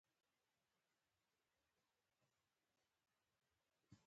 حرفوي زده کړې اقتصاد ته ګټه لري